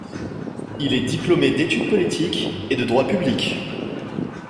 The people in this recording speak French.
Il est diplômé d'études politiques et de droit public.